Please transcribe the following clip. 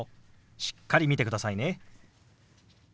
しっかり見てくださいね。